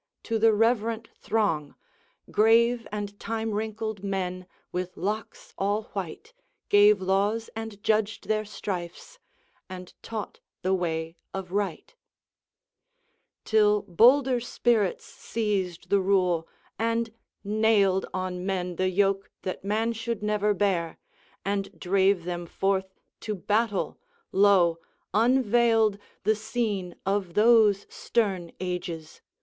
To the reverent throng, Grave and time wrinkled men, with locks all white, Gave laws, and judged their strifes, and taught the way of right; XII. Till bolder spirits seized the rule, and nailed On men the yoke that man should never bear, And drave them forth to battle. Lo! unveiled The scene of those stern ages!